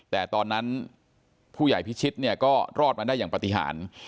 แต่ตอนนั้นผู้ใหญ่พิชิตเนี่ยก็รอดมาได้อย่างปฏิหาร